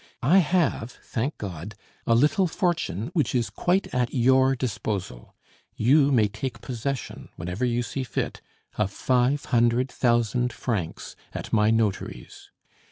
I have, thank God, a little fortune which is quite at your disposal; you may take possession, whenever you see fit, of five hundred thousand francs at my notary's.